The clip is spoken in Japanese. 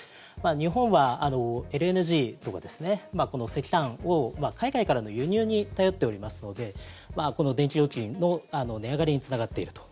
日本はＬＮＧとか石炭を海外からの輸入に頼っておりますので電気料金の値上がりにつながっていると。